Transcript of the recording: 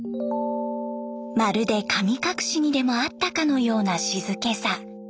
まるで神隠しにでもあったかのような静けさ。